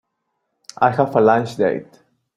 I have a lunch date.